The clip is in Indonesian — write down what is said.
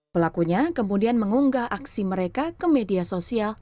pelakunya kemudian mengunggah aksi mereka ke media sosial